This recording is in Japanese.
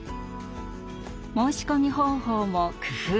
申し込み方法も工夫。